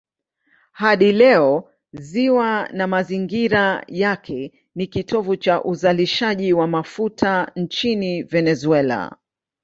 Hadi leo ziwa na mazingira yake ni kitovu cha uzalishaji wa mafuta nchini Venezuela.